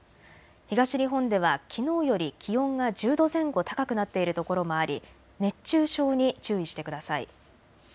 東日本ではきのうより気温が１０度前後高くなっているところもあり熱中症に注意してください。